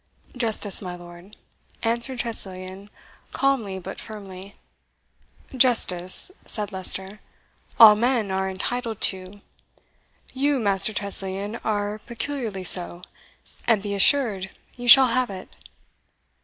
"Justice, my lord," answered Tressilian, calmly but firmly. "Justice," said Leicester, "all men are entitled to. YOU, Master Tressilian, are peculiarly so, and be assured you shall have it."